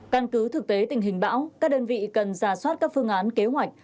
căn cứ thực tế tình hình bão các đơn vị cần giả soát các phương án kế hoạch